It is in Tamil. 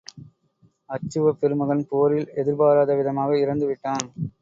அச்சுவப் பெருமகன் போரில் எதிர்பாராத விதமாக இறந்து விட்டான்.